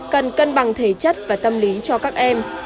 cần cân bằng thể chất và tâm lý cho các em